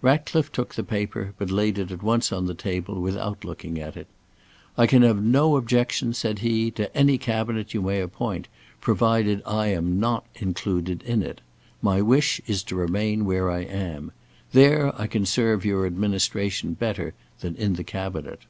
Ratcliffe took the paper, but laid it at once on the table without looking at it. "I can have no objection," said he, "to any Cabinet you may appoint, provided I am not included in it. My wish is to remain where I am. There I can serve your administration better than in the Cabinet."